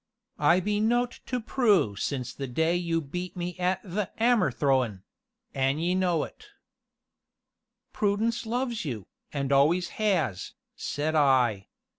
"I be nowt to Prue since the day you beat me at th' 'ammer throwin' an' ye know it." "Prudence loves you, and always has," said I.